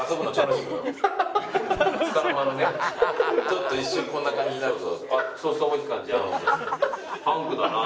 ちょっと一瞬こんな感じになるぞって。